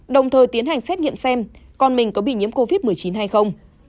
đồng thời tiến hành xét nghiệm xem con mình có bị nhiễm covid một mươi chín hay không